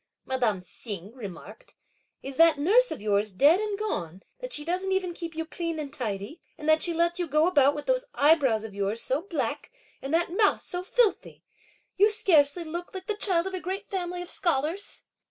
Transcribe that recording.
madame Hsing remarked; "is that nurse of yours dead and gone that she doesn't even keep you clean and tidy, and that she lets you go about with those eyebrows of yours so black and that mouth so filthy! you scarcely look like the child of a great family of scholars."